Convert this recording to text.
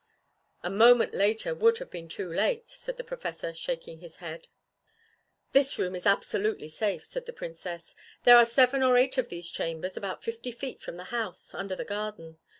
"A moment later would have been too late," said the Professor, shaking his head. "This room is absolutely safe," said the Princess. "There are seven or eight of these chambers, about fifty feet from the house, under the garden.